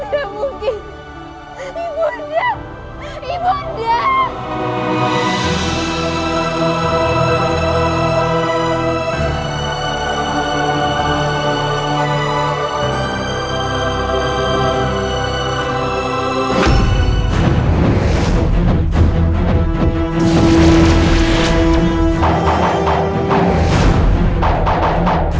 kamu akan nabok udara